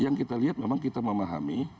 yang kita lihat memang kita memahami